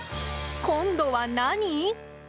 今度は、何？